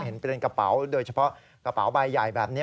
เห็นเป็นกระเป๋าโดยเฉพาะกระเป๋าใบใหญ่แบบนี้